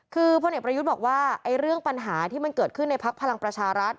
คือพลเอกประยุทธ์บอกว่าเรื่องปัญหาที่มันเกิดขึ้นในพักพลังประชารัฐ